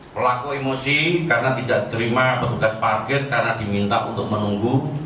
pelaku emosi karena tidak terima petugas parkir karena diminta untuk menunggu